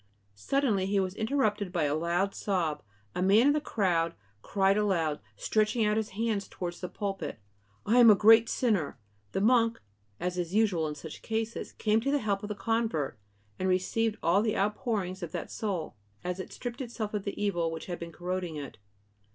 Suddenly he was interrupted by a loud sob, and a man in the crowd cried aloud, stretching out his hands towards the pulpit: "I am a great sinner!" The monk, as is usual in such cases, came to the help of the convert, and received all the outpourings of that soul, as it stripped itself of the evil which had been corroding it.